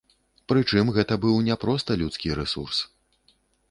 Прычым гэта быў не проста людскі рэсурс.